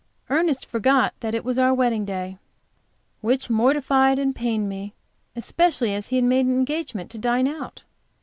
Ernest forgot that it was our wedding day, which mortified and pained me, especially as he had made an engagement to dine out.